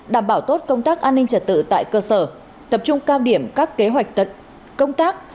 đảm bảo tốt công tác an ninh trật tự tại cơ sở tập trung cao điểm các kế hoạch tận công tác